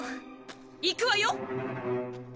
行くわよ！